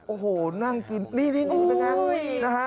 โอ้โหนั่งกินนี่นะฮะ